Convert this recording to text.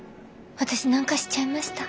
私何かしちゃいました？